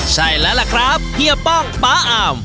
ใช่แล้วล่ะครับเฮียป้องป๊าอาม